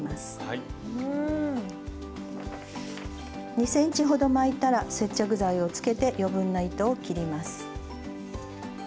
２ｃｍほど巻いたら接着剤をつけて余分な糸を切ります。